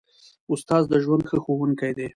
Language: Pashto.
استاد د ژوند ښه ښوونکی دی.